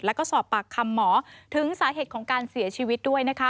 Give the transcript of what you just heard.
แล้วก็สอบปากคำหมอถึงสาเหตุของการเสียชีวิตด้วยนะคะ